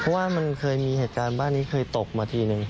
เพราะว่ามันเคยมีเหตุการณ์บ้านนี้เคยตกมาทีนึง